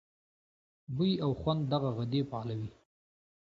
بوۍ او خوند دغه غدې فعالوي.